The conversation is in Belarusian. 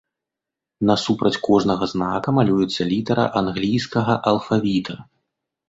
Насупраць кожнага знака малюецца літара англійскага алфавіта.